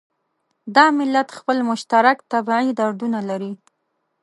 دا ملت خپل مشترک طبعي دردونه لري.